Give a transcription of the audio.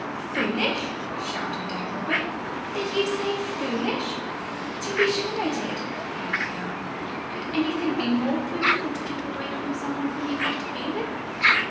"Foolish?" shouted deaf Robert. "Did you say foolish?" "To be sure I did," laughed the girl. "Could anything be more foolish than to keep away from some one whom you want to be with?"